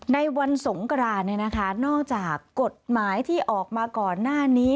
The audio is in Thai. ในวันสงกรานนอกจากกฎหมายที่ออกมาก่อนหน้านี้